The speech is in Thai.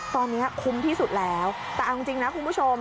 ตอนนี้คุ้มที่สุดแล้วแต่เอาจริงนะคุณผู้ชม